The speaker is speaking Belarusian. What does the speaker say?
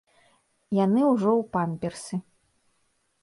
Яны ўжо ў памперсы.